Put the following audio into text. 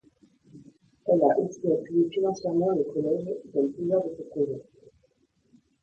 Elle a aussi appuyé financièrement le Collège dans plusieurs de ses projets.